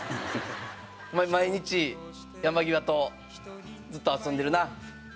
お前毎日山際とずっと遊んでるな。